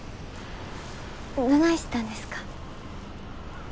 どないしたんですか？